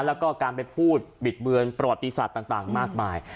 แล้วก็การไปพูดบิดเบือนประวัติศาสตร์ต่างมากมาย